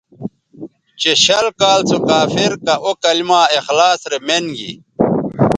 چہ شل کال سو کافر کہ او کلما اخلاص رے مین گی